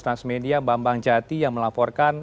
transmedia bambang jati yang melaporkan